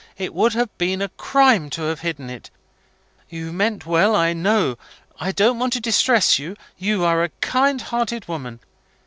It would have been a crime to have hidden it. You mean well, I know. I don't want to distress you you are a kind hearted woman.